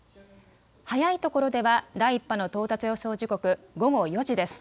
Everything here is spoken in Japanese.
早いところでは第１波の到達予想時刻、午後４時です。